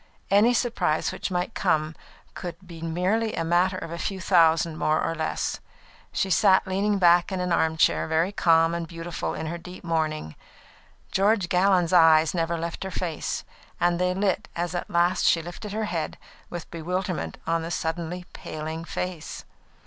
Any surprise which might come could be merely a matter of a few thousands more or less. She sat leaning back in an armchair, very calm and beautiful in her deep mourning. George Gallon's eyes never left her face, and they lit as at last she lifted her head, with bewilderment on the suddenly paling face.